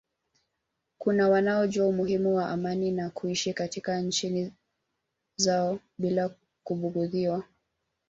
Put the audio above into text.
kuna wanaojua umuhimu wa amani na kuishi katika nchi zao bila kubugudhiwa